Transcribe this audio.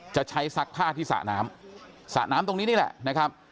จะใช้ซักผ้าที่สระน้ำสระน้ำตรงนี้นี่แหละนะครับ